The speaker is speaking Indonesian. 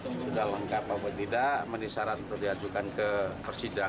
sudah lengkap apa tidak menisarat untuk diajukan ke persidangan